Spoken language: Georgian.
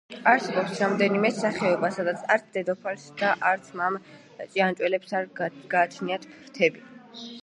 არსებობს რამდენიმე სახეობა, სადაც არც დედოფალს და არც მამრ ჭიანჭველებს არ გააჩნიათ ფრთები.